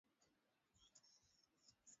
Amesomea kozi ya ushonaji nguo